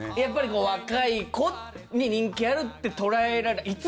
やっぱり若い子に人気あるってとらえられる。